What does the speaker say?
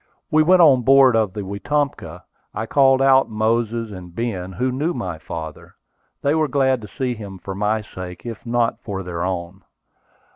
We went on board of the Wetumpka. I called out Moses, and Ben, who knew my father. They were glad to see him for my sake, if not for their own.